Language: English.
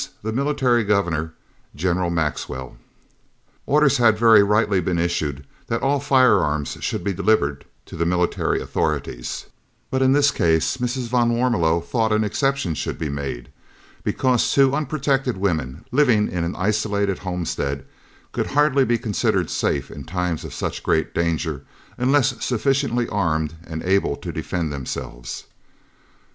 the Military Governor, General Maxwell. Orders had very rightly been issued that all firearms should be delivered to the military authorities, but in this case Mrs. van Warmelo thought an exception should be made, because two unprotected women, living in an isolated homestead, could hardly be considered safe in times of such great danger unless sufficiently armed and able to defend themselves.